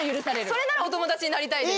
それならお友達になりたいです。